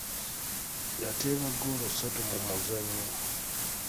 Yateeba ggoola ssatu mu muzannyo.